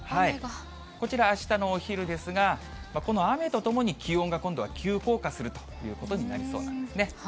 こちらあしたのお昼ですが、この雨とともに気温が今度は急降下するということになりそうなんですね。